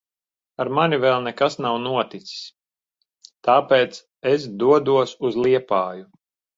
Ar mani vēl nekas nav noticis. Tāpēc es dodos uz Liepāju.